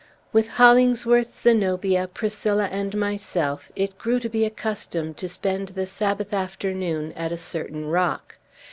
With Hollingsworth, Zenobia, Priscilla, and myself, it grew to be a custom to spend the Sabbath afternoon at a certain rock.